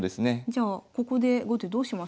じゃあここで後手どうしましょうか。